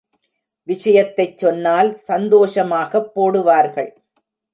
விஷயத்தைச் சொன்னால் சந்தோஷமாகப் போடுவார்கள்.